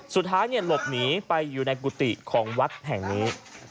สุดท้ายหลบหนีไปอยู่ในกุฏิของวัดแห่งนี้